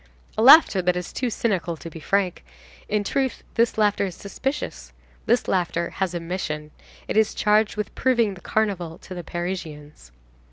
A laughter that is too cynical to be frank. In truth, this laughter is suspicious. This laughter has a mission. It is charged with proving the Carnival to the Parisians.